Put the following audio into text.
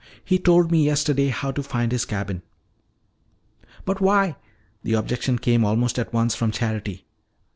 He told me yesterday how to find his cabin." "But why " The objection came almost at once from Charity.